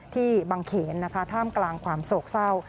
ที่บังเขนนะคะท่ามกลางความโศกเศร้า